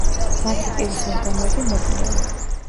მათი პირის ორგანოები მოკლეა.